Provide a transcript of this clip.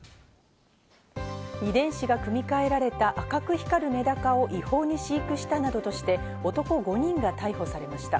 遺伝子が組み換えられた赤く光るメダカを違法に飼育したなどとして、男５人が逮捕されました。